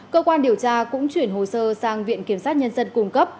cơ quan điều tra cũng chuyển hồ sơ sang viện kiểm sát nhân dân cung cấp